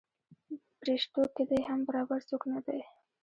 پریشتو کې دې هم برابر څوک نه دی.